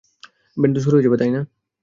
Band তো শুরু হয়ে যাবে, তাই না?